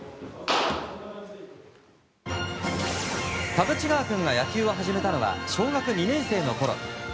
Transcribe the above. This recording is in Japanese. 田渕川君が野球を始めたのは小学２年生のころ。